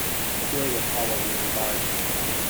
Celia followed his advice.